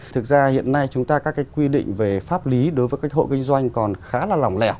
thực ra hiện nay chúng ta các cái quy định về pháp lý đối với các hộ kinh doanh còn khá là lỏng lẻo